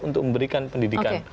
untuk memberikan pendidikan